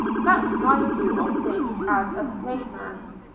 That's my view of things as a plain man.